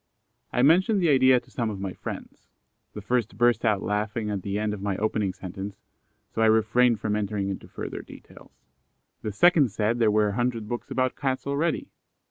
I mentioned the idea to some of my friends: the first burst out laughing at the end of my opening sentence, so I refrained from entering into further details. The second said there were a hundred books about Cats already.